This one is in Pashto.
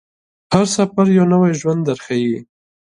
هر سفر یو نوی ژوند درښيي.